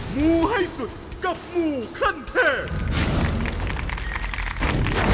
หมู่ให้สุดกับหมู่คันเทพ